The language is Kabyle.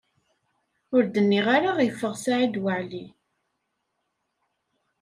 Ur d-nniɣ ara ifeɣ Saɛid Waɛli.